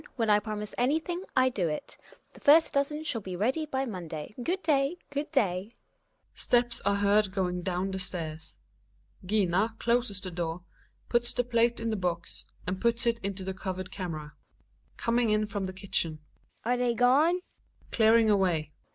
When I promise anything I do it. The first dozen shall be ready by Monday. Good day, good day. /(S?^'?fl^^ Steps are heard going dovm the stairs. Gina closes the door, puts the plate in the box, and puts it into the covered camera. (Vr'I^Oci.C' ^H'^^) Hedvig (coming in from the kitchen). Are they gone? Gina {clearing away).